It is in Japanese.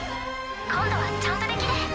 今度はちゃんとできる。